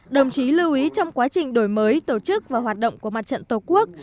đồng chí lưu ý trong quá trình đổi mới tổ chức và hoạt động của mặt trận tổ quốc